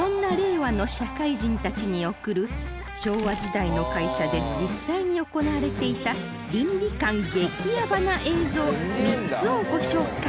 そんな昭和時代の会社で実際に行われていた倫理観激ヤバな映像３つをご紹介